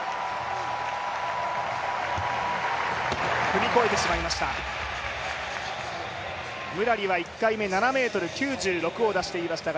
踏み越えてしまいました。